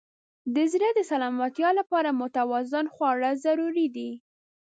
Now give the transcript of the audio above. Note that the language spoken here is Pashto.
د زړه د سلامتیا لپاره متوازن خواړه ضروري دي.